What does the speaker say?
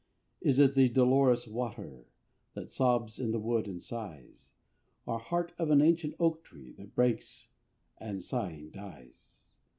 Is it the dolorous water, That sobs in the wood and sighs? Or heart of an ancient oak tree, That breaks and, sighing, dies?